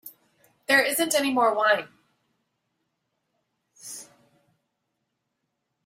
There isn't any more wine.